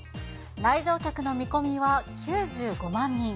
来場客の見込みは９５万人。